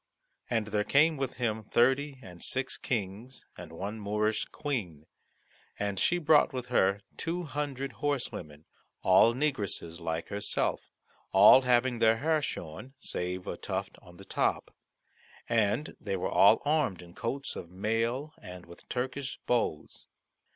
And there came with him thirty and six Kings, and one Moorish Queen, and she brought with her two hundred horsewomen, all negresses like herself, all having their hair shorn save a tuft on the top, and they were all armed in coats of mail and with Turkish bows.